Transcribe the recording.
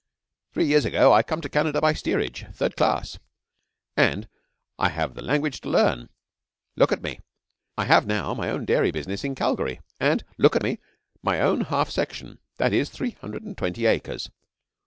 'Three years ago I come to Canada by steerage third class. And I have the language to learn. Look at me! I have now my own dairy business, in Calgary, and look at me! my own half section, that is, three hundred and twenty acres.